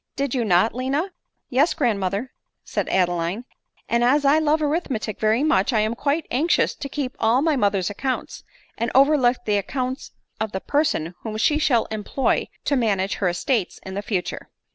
Did you not, Lina ?"" Yes, grandmother," said Adeline ;" and as I love arithmetic very much, I am quite anxious to keep all my mother's accounts, and overlook the accounts of the per son whom she shall employ to manage her estates in future."